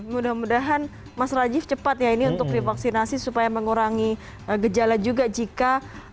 mudah mudahan mas rajif cepat ya ini untuk divaksinasi supaya mengurangi gejala juga jika